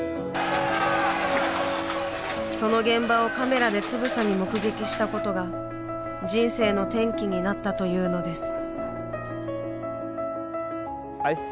その現場をカメラでつぶさに目撃したことが人生の転機になったというのです。